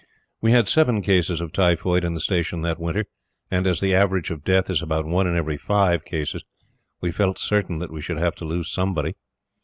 We had seven cases of typhoid in the Station that winter and, as the average of death is about one in every five cases, we felt certain that we should have to lose somebody.